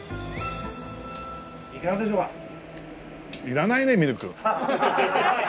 いらないねミルク。